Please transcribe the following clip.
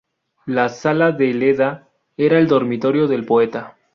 La "Sala de Leda" era el dormitorio del poeta.